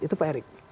itu pak erik